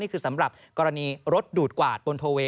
คือสำหรับกรณีรถดูดกวาดบนโทเว